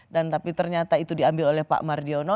dan tapi ternyata itu diambil oleh pak mardiono